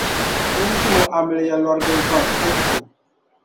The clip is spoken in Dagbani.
ŋun timi o amiliya lɔrigibu gbaŋ ka yihi o.